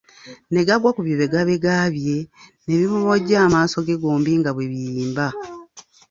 Ne gagwa ku bibegabega bye, ne bimubojja amaaso ge gombi nga bwe biyimba.